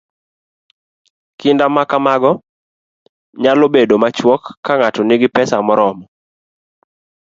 Kinda ma kamago nyalo bedo machuok ka ng'ato nigi pesa moromo